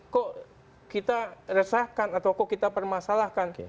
kok kita resahkan atau kok kita permasalahkan